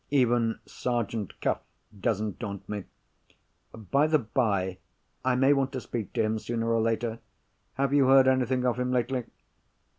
Even Sergeant Cuff doesn't daunt me. By the bye, I may want to speak to him, sooner or later. Have you heard anything of him lately?"